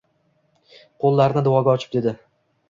Qoʻllarini duoga ochib dedi.